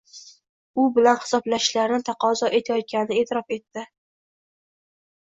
u bilan hisoblashishlarini taqozo etayotganini e’tirof etdi.